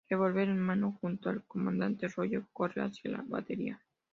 Revólver en mano, junto al Comandante Royo, corre hacia la Batería.